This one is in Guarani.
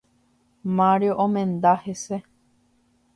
Mario omenda hese.